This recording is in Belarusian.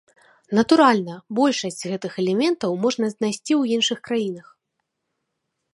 Натуральна, большасць з гэтых элементаў можна знайсці і ў іншых краінах.